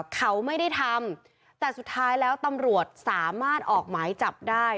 เขาไม่ได้ทำแต่สุดท้ายแล้วตำรวจสามารถออกหมายจับได้